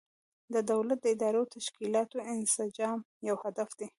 د دولت د اداري تشکیلاتو انسجام یو هدف دی.